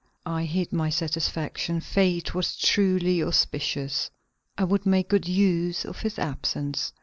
I hid my satisfaction. Fate was truly auspicious. I would make good use of his absence.